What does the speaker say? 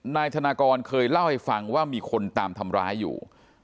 นายธนากรเคยเล่าให้ฟังว่ามีคนตามทำร้ายอยู่